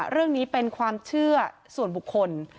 เรื่องนี้เป็นความเชื่อส่วนบุคคล